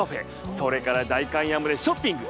それから代官山でショッピング。